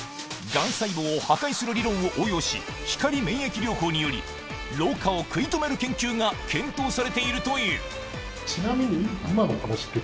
ガン細胞を破壊する理論を応用し光免疫療法により老化を食い止める研究が検討されているというちなみに。